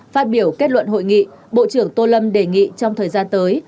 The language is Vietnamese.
phát biểu kết luận hội nghị bộ trưởng tô lâm đề nghị trong thời gian tới